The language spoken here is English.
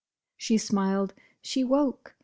She smiled, she woke !